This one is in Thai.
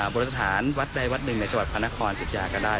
บริษฐานวัดใดวัดหนึ่งในจพนครสิทธิาก็ได้